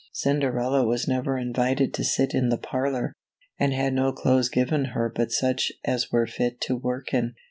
Cinderella was never invited to sit in the parlor, and had no clothes given her but such as were fit to work in.